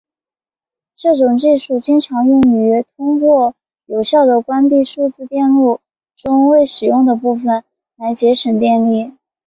这种技术经常用于通过有效地关闭数字电路中未使用的部分来节省电力。